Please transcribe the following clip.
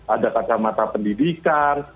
ada kacamata pendidikan